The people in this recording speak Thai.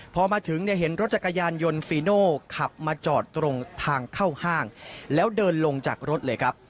พอมาถึงเนี่ยเห็นรถจักรยานยนต์ฟีโน่ขับมาจอดตรงทางเข้าห้างแล้วเดินลงจากรถเลยครับ